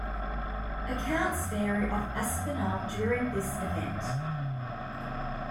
Accounts vary of Aspinall during this event.